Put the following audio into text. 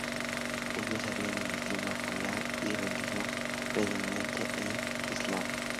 Ellos hablan el idioma fula y la religión predominante es el islam.